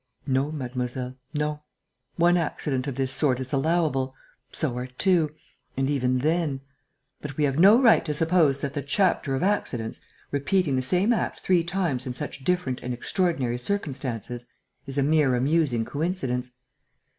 "No, mademoiselle, no. One accident of this sort is allowable.... So are two ... and even then!... But we have no right to suppose that the chapter of accidents, repeating the same act three times in such different and extraordinary circumstances, is a mere amusing coincidence.